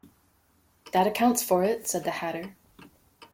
That accounts for it,’ said the Hatter.